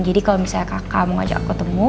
jadi kalo misalnya kakak mau ajak aku temu